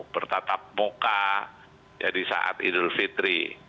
bertatap muka jadi saat idul fitri